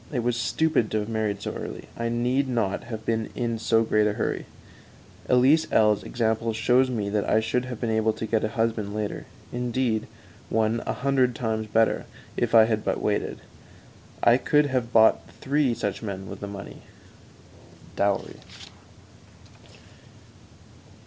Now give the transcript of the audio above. It was stupid to have married so early; I need not have been in so great a hurry. Elise L 's example shows me that I should have been able to get a husband later; indeed, one a hundred times better if I had but waited. I could have bought three such men with the money (dowry).